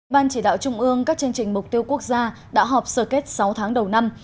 ban chỉ đạo trung ương các chương trình mục tiêu quốc gia đã họp sở kết sáu tháng đầu năm